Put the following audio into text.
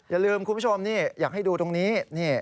อย่าลืมคุณผู้ชมนี่อยากให้ดูตรงนี้